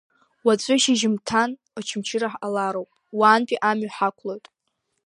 Уаҵәы шьыжьымҭан Очамчыра ҳҟалароуп, уантәи амҩа ҳақәлоит.